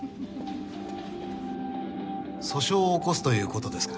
訴訟を起こすという事ですか？